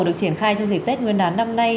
được triển khai trong dịp tết nguyên đán năm nay